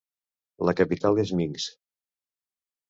La capital és Minsk.